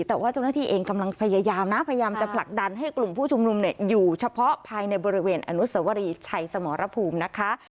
แต่ว่าเจ้าหน้าที่เองกำลังพยายามนะพยายามจะผลักดันให้กลุ่มผู้ชุมนุมอยู่เฉพาะภายในบริเวณอนุสวรีชัยสมรภูมินะคะ